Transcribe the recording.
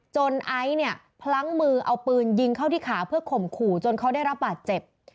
ไอซ์เนี่ยพลั้งมือเอาปืนยิงเข้าที่ขาเพื่อข่มขู่จนเขาได้รับบาดเจ็บ